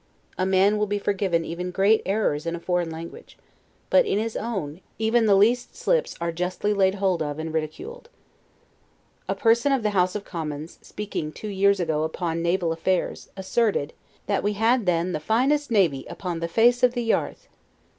A man will be forgiven even great errors in a foreign language; but in his own, even the least slips are justly laid hold of and ridiculed. A person of the House of Commons, speaking two years ago upon naval affairs; asserted, that we had then the finest navy UPON THE FACE OF THE YEARTH.